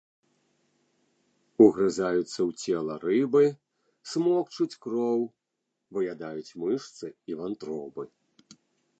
Угрызаюцца ў цела рыбы, смокчуць кроў, выядаюць мышцы і вантробы.